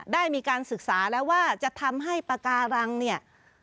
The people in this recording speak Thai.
ได้มีการศึกษาแล้วว่าจะทำให้ปากการังเนี่ย